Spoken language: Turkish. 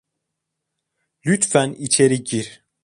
Lütfen içeri gir.